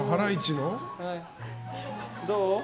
どう？